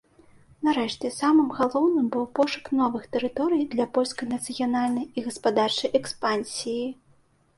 Нарэшце, самым галоўным быў пошук новых тэрыторый для польскай нацыянальнай і гаспадарчай экспансіі.